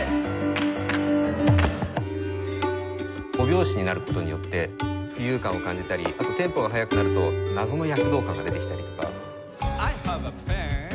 ５拍子になる事によって浮遊感を感じたりあとテンポが速くなると謎の躍動感が出てきたりとか。